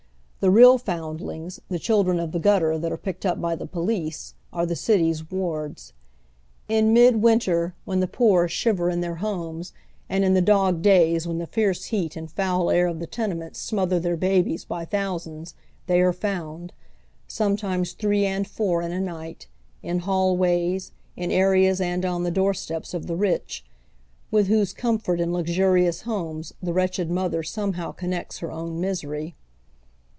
The real fonndlings, the children of the gutter that are picked up by the police, are the city's wards. In midwinter, when the poor shiver in their homes, and in the dog days when the fierce heat and foul oyGoogle 188 HOW THE OTHEE HALF LIVES. air of the tenements smother their babies by thousands, they are found, sometimes three and four in a night, in hallways, in areas and on the doorsteps of the rich, with whose comfort in luxurious homes the wretched mother somehow couueute liei own misery.